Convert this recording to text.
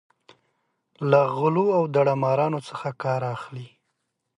له غلو او داړه مارانو څخه کار اخلي.